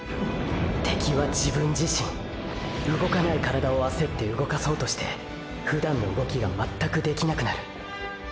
“敵”は自分自身動かない体を焦って動かそうとしてふだんの動きが全くできなくなる。